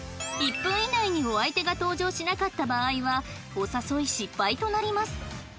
１分以内にお相手が登場しなかった場合はお誘い失敗となります